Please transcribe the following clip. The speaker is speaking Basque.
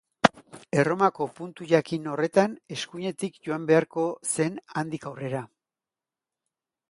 Erromako puntu jakin horretan eskuinetik joan beharko zen handik aurrera.